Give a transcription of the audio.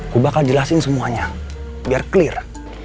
gue bakal jelasin semuanya biar clear